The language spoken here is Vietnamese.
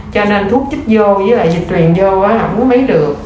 cho nên thuốc chích vô với dịch truyền vô không có mấy được